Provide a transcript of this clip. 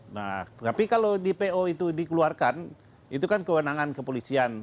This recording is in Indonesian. nah tapi kalau dpo itu dikeluarkan itu kan kewenangan kepolisian